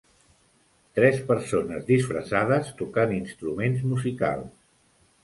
Tres persones disfressades tocant instruments musicals